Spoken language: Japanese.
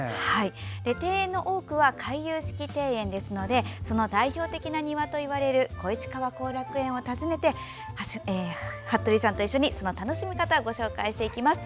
庭園の多くは回遊式庭園ですのでその代表的な庭といわれる小石川後楽園を訪ねて服部さんと一緒にその楽しみ方をご紹介します。